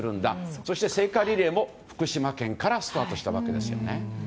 そして聖火リレーも福島県からスタートしたわけですよね。